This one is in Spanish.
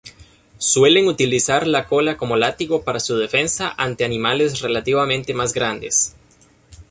Suelen utilizar la cola como látigo para su defensa ante animales relativamente más grandes.